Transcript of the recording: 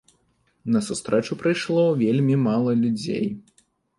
На сустрэчу прыйшло вельмі мала людзей.